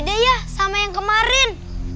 deh ya sama yang kemarin